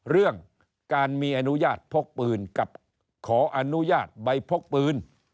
เรื่องการมีอนุญาตพกปืนกับขออนุญาตใบพกปืน